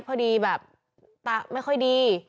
พอดีแบบตาไม่ค่อยดี